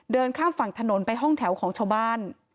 เดินข้ามฝั่งถนนไปห้องแถวของชาวบ้าน